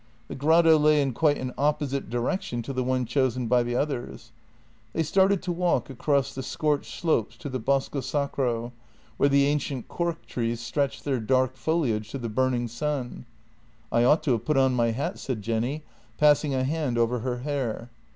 The grotto lay in quite an opposite direction to the one chosen by the others. They started to walk across the scorched slopes to the Bosco Sacro, where the ancient cork trees stretched their dark foliage to the burning sun. " I ought to have put on my hat," said Jenny, passing a hand over her hair.